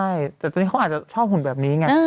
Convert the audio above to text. ใช่แต่ตอนนี้เขาอาจจะชอบหุ่นแบบนี้ไง